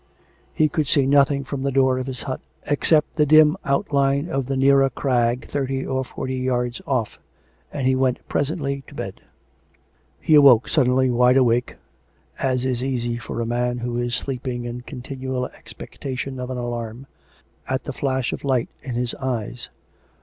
He could see nothing from the door of his hut except the dim outline of the nearer crag thirty or forty yards off; and he went presently to bed. He awoke suddenly, wide awake — as is easy for a man who is sleeping in continual expectation of an alarm — at the flash of light in his eyes.